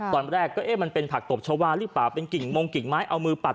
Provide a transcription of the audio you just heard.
ตอนแรกก็เอ๊ะมันเป็นผักตบชาวาหรือเปล่าเป็นกิ่งมงกิ่งไม้เอามือปัด